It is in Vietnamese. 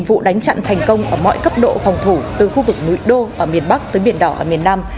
quân đội phòng thủ từ khu vực núi đô ở miền bắc tới biển đỏ ở miền nam